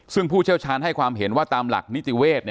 ซึ่งผู้เชี่ยวชาญให้ความเห็นว่าตามหลักนิติเวศ